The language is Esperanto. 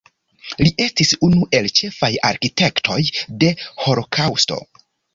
Li estis unu el ĉefaj arkitektoj de holokaŭsto.